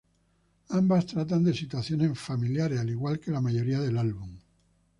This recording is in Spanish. Ambas tratan de situaciones familiares, al igual que la mayoría del álbum.